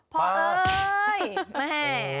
พ่อเอ๋ยแม่